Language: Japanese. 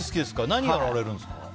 何をやられるんですか？